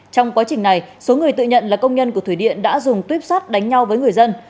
trong quá trình này số người tự nhận là công nhân của thủy điện đã dùng tuyếp sắt đánh nhau với người dân